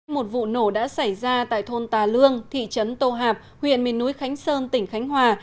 một vụ nổ đã xảy ra tại thôn tà lương thị trấn tô hạp huyện miền núi khánh sơn tỉnh khánh hòa